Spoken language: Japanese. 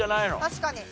確かに。